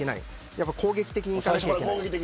やっぱり攻撃的にいかなきゃいけない。